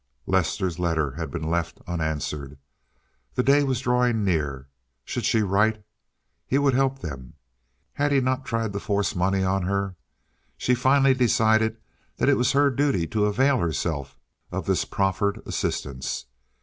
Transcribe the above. Lester's letter had been left unanswered. The day was drawing near. Should she write? He would help them. Had he not tried to force money on her? She finally decided that it was her duty to avail herself of this proffered assistance.